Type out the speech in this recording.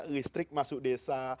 listrik masuk desa